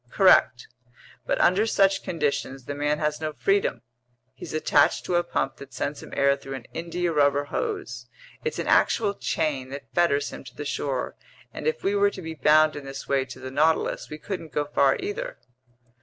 "Correct, but under such conditions the man has no freedom. He's attached to a pump that sends him air through an india rubber hose; it's an actual chain that fetters him to the shore, and if we were to be bound in this way to the Nautilus, we couldn't go far either."